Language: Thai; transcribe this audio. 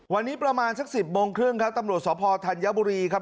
วันนี้ประมาณสัก๑๐โมงครึ่งครับตำรวจสพธัญบุรีครับ